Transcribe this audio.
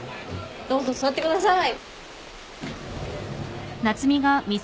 どうぞ座ってください。